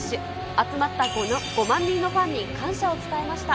集まった５万人のファンに感謝を伝えました。